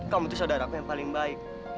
kamu tuh saudara aku yang paling baik